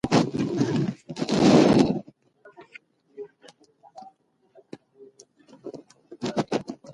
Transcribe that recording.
جهالت تيارہ ده او علم رڼا ده.